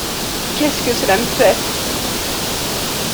Qu’est-ce que cela me fait?